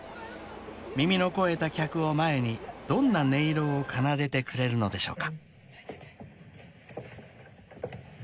［耳の肥えた客を前にどんな音色を奏でてくれるのでしょうか］